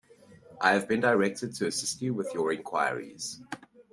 I have been directed to assist you with your enquiries.